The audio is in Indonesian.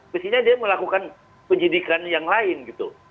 mestinya dia melakukan penyidikan yang lain gitu